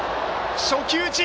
初球打ち！